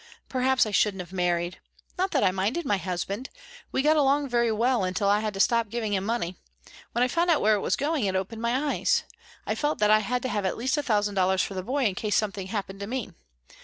Perhaps I shouldn't have married. Not that I minded my husband. We got along very well until I had to stop giving him money. When I found where it was going it opened my eyes. I felt that I had to have at least a thousand dollars for the boy in case anything happened to me.